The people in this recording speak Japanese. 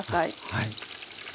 はい。